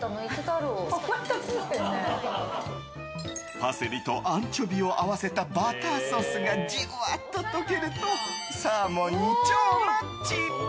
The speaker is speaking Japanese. パセリとアンチョビを合わせたバターソースがじわっと溶けるとサーモンに超マッチ！